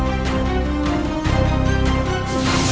aku tahu simple